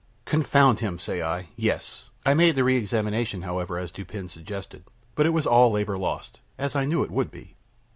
"Confound him, say I yes; I made the re examination, however, as Dupin suggested but it was all labor lost, as I knew it would be."